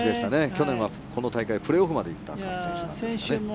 去年はこの大会プレーオフまで行ったんですが。